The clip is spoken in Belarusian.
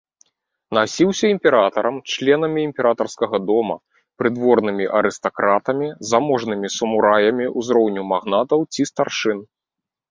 Насіўся імператарам, членамі імператарскага дома, прыдворнымі арыстакратамі, заможнымі самураямі ўзроўню магнатаў ці старшын.